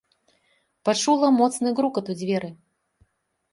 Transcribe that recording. Пачула моцны грукат у дзверы.